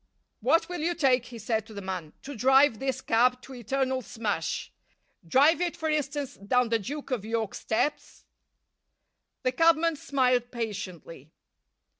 "What will you take," he said to the man, "to drive this cab to eternal smash? Drive it, for instance, down the Duke of York's steps?" The cabman smiled patiently.